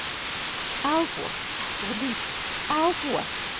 Elpo. Sasodīts. Elpo!